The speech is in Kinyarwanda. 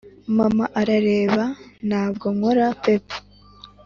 mama arareba; ntabwo nkora peep.